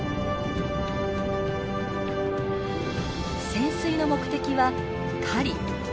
潜水の目的は狩り。